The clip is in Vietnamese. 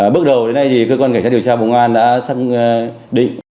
bước đầu đến nay thì cơ quan kiểm tra điều tra công an đã xác định